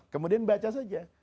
kemudian baca saja